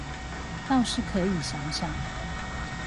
倒是可以想想